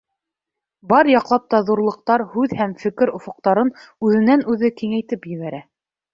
— Бар яҡлап та ҙурлыҡтар һүҙ һәм фекер офоҡтарын үҙенән-үҙе киңәйтеп ебәрә.